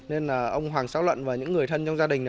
nên là ông hoàng sáu luận và những người thân trong gia đình